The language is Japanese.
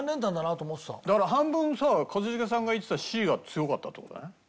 だから半分さ一茂さんが言ってたＣが強かったって事だね